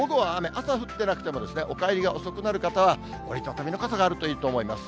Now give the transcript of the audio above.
朝降ってなくてもお帰りが遅くなる方は、折り畳みの傘があるといいと思います。